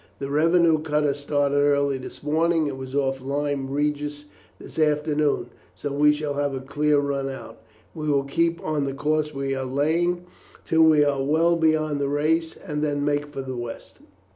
The revenue cutter started early this morning, and was off Lyme Regis this afternoon, so we shall have a clear run out. We will keep on the course we are laying till we are well beyond the race, and then make for the west.